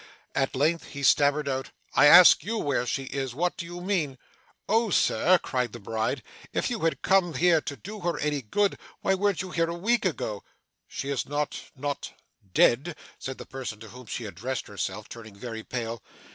At length he stammered out, 'I ask YOU where she is? What do you mean?' 'Oh sir!' cried the bride, 'If you have come here to do her any good, why weren't you here a week ago?' 'She is not not dead?' said the person to whom she addressed herself, turning very pale.